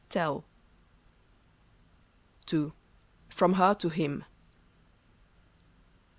tell. FROM HER TO HIM.